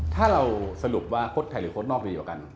ถ้าเราสรุปว่าโค้ดไทยหรือโค้ดนอกดีกว่ากัน